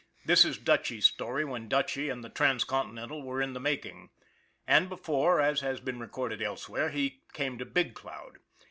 This is Dutchy's story when Dutchy and the Transcontinental were in the making; and before, as has been recorded elsewhere, he came to Big Cloud.